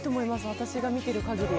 私が見てる限り。